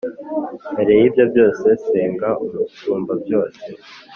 mbere y’ibyo byose, senga Umusumbabyose,